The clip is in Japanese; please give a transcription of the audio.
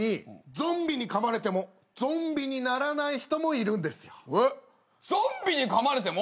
ゾンビにかまれてもゾンビにならない人がいるんだ。